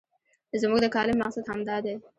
زموږ د کالم مقصد همدا دی.